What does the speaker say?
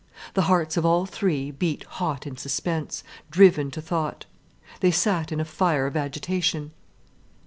The hearts of all three beat hot in suspense, driven to thought. They sat in a fire of agitation.